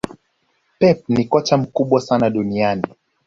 pep ni kocha mkubwa sana duniani